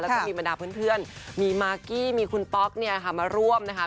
แล้วก็มีบรรดาเพื่อนมีมากกี้มีคุณป๊อกเนี่ยค่ะมาร่วมนะคะ